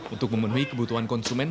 untuk memenuhi kebutuhan konsumen